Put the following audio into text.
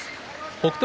北勝